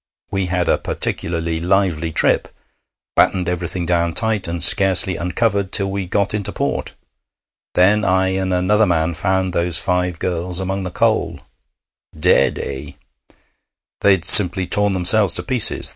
We had a particularly lively trip, battened everything down tight, and scarcely uncovered till we got into port. Then I and another man found those five girls among the coal.' 'Dead, eh?' 'They'd simply torn themselves to pieces.